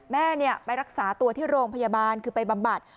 แม่ไปรักษาตัวที่โรงพยาบาลคือไปบำบัด